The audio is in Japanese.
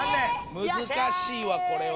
むずかしいわこれは。